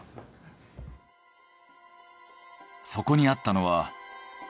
そこにあったのは。